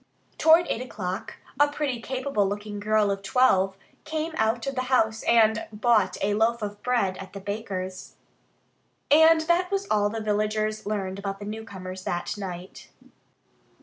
Toward eight o'clock a pretty, capable looking girl of twelve came out of the house and bought a loaf of bread at the baker's. And that was all the villagers learned about the newcomers that night.